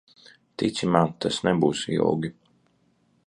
Tici man, tas nebūs ilgi.